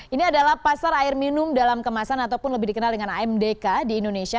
ini adalah pasar air minum dalam kemasan ataupun lebih dikenal dengan amdk di indonesia